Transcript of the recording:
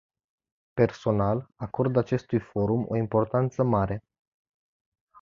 Personal, acord acestui forum o importanță mare.